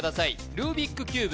ルービックキューブ